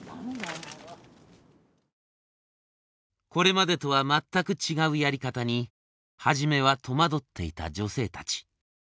これまでとは全く違うやり方に初めは戸惑っていた女性たち。